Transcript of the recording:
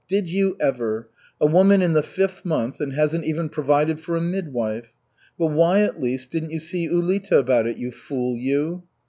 Did you ever! A woman in the fifth month and hasn't even provided for a midwife! But why at least didn't you see Ulita about it, you fool, you?"